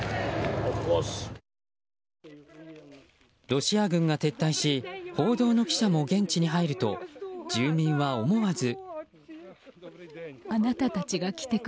ロシア軍が撤退し報道の記者も現地に入ると住民は思わず。